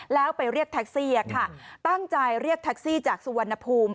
แล้วไปเรียกแท็กซี่ค่ะตั้งใจเรียกแท็กซี่จากสุวรรณภูมิ